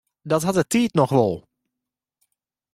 Dat hat de tiid noch wol.